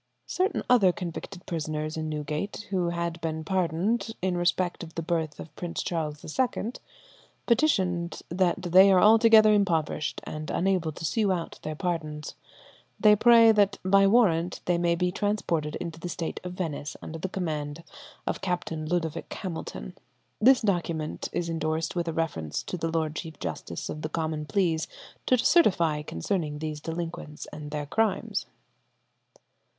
Certain other convicted prisoners in Newgate, who had been pardoned in respect of the birth of Prince Charles II, petitioned that they are altogether impoverished, and unable to sue out their pardons. They pray that by warrant they may be transported into the State of Venice under the command of Captain Ludovic Hamilton. This document is endorsed with a reference to the Lord Chief Justice of the Common Pleas to certify concerning these delinquents and their crimes.